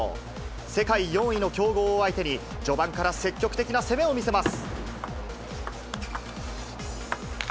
世界４位の強豪を相手に、序盤から積極的な攻めを見せます。